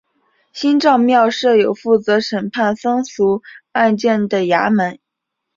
新召庙设有负责审判僧俗案件的衙门。